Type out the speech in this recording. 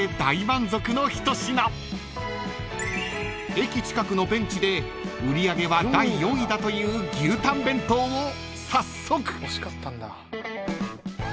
［駅近くのベンチで売り上げは第４位だという牛たん弁当を早速］